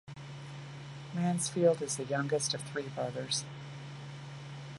Mansfield is the youngest of three brothers.